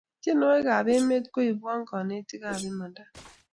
tienwokik ap emet koipwaa kolekitit ak imanda